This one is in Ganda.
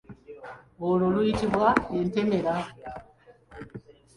Olwo luyitibwa entemera.